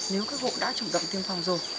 nếu các hộ đã chủng động tiêm phòng rồi